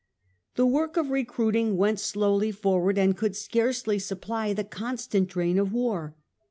The work of recruiting went slowly forward, and could scarcely supply the constant drain of war.